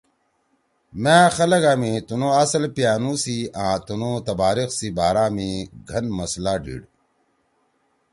مأ خلگا می تُنُو اصل پیانُو سی آں تنُو تباریخ سی بارا میں گھن مسئلہ ڈیِڑ۔